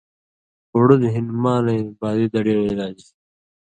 اُڑُد ہِن مالَیں بادی دڑی وَیں علاج